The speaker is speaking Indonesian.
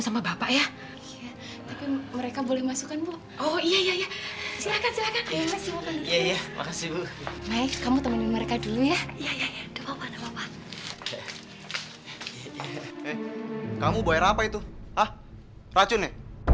silahkan silahkan ya makasih kamu teman mereka dulu ya ya ya ya kamu berapa itu racunnya